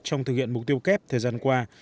trong thực hiện mục tiêu kép thời gian qua